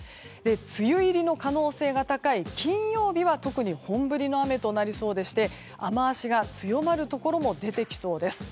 梅雨入りの可能性が高い金曜日は特に本降りの雨となりそうで雨脚が強まるところも出てきそうです。